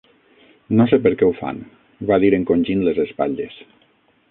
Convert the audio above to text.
"No sé per què ho fan", va dir encongint les espatlles.